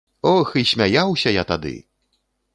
Ох, і смяяўся я тады!